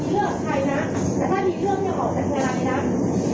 ทีหลังผู้จากเสียงแขนต์แค่นี้กับพี่เอง